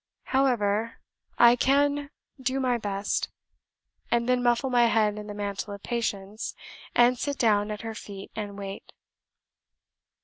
However, I can but do my best, and then muffle my head in the mantle of Patience, and sit down at her feet and wait."